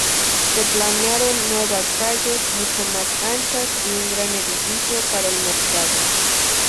Se planearon nuevas calles, mucho más anchas, y un gran edificio para el mercado.